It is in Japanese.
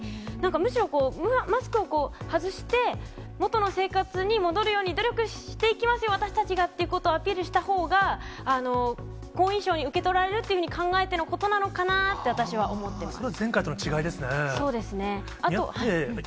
むしろマスクを外して、元の生活に戻るように努力していきますよ、私たちがっていうことをアピールしたほうが、好印象に受け取られるというふうに考えてのことなのかなぁって私は思ってます。